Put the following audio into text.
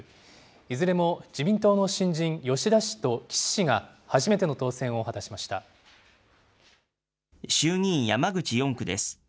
いずれも自民党の新人、吉田氏と岸氏が初めての当選を果たしまし衆議院山口４区です。